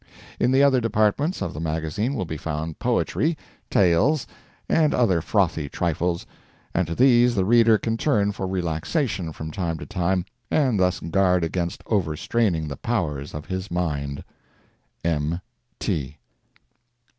In the other departments of the magazine will be found poetry, tales, and other frothy trifles, and to these the reader can turn for relaxation from time to time, and thus guard against overstraining the powers of his mind. M.